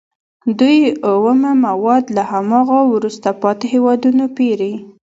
دوی اومه مواد له هماغو وروسته پاتې هېوادونو پېري